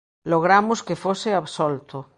Logramos que fose absolto.